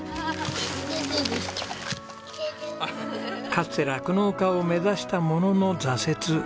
かつて酪農家を目指したものの挫折。